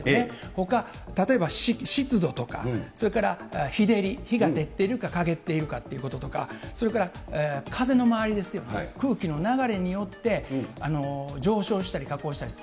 ほか、例えば湿度とか、それから日照り、日が照ってるかかげっているかということとか、それから風の回りですよね、空気の流れによって、上昇したり下降したりする。